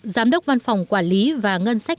giám đốc văn phòng quản lý và ngân sách